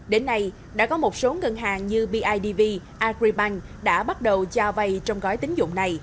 đến nay đã có một số ngân hàng như bidv agribank đã bắt đầu cho vay trong gói tính dụng này